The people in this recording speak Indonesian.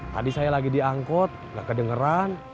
tadi saya lagi diangkut nggak kedengeran